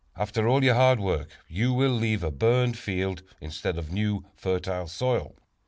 After all your hard work you will leave a burned field instead of new, fertile soil.